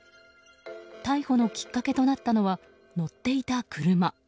逮捕のきっかけとなったのは乗っていた車。